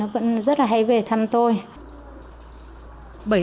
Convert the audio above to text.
con của cháu thì nó vẫn rất là hay về thăm tôi